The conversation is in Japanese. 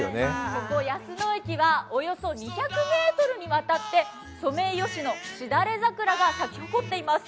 ここ安野駅はおよそ２００ｍにわたって、ソメイヨシノ、シダレザクラが咲き誇っています。